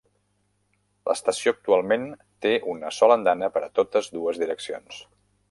L'estació actualment té una sola andana per a totes dues direccions.